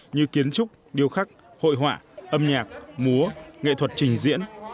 như kiến trúc điêu khắc hội họa âm nhạc múa nghệ thuật trình diễn